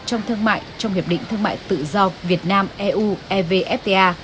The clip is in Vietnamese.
trong thương mại trong hiệp định thương mại tự do việt nam eu evfta